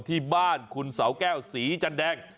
ที่บ้านคุณเสาแก้วศรีจันแดง